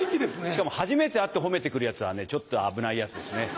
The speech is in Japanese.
しかも初めて会って褒めてくるヤツはねちょっと危ないヤツですね。